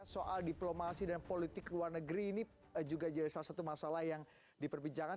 soal diplomasi dan politik luar negeri ini juga jadi salah satu masalah yang diperbincangkan